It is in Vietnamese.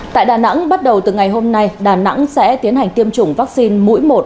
tại đà nẵng bắt đầu từ ngày hôm nay đà nẵng sẽ tiến hành tiêm chủng vaccine mũi một